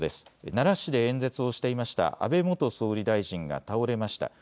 奈良市で演説をしていました安倍元総理大臣が倒れました。